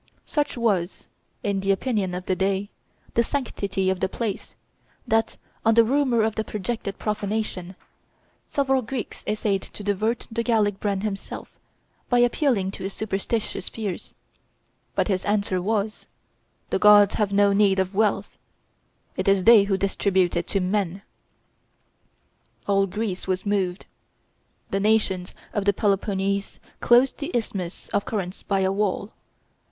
Such was, in the opinion of the day, the sanctity of the place, that, on the rumor of the projected profanation, several Greeks essayed to divert the Gallic Brenn himself, by appealing to his superstitious fears; but his answer was, "The gods have no need of wealth; it is they who distribute it to men." All Greece was moved. The nations of the Peloponnese closed the isthmus of Corinth by a wall.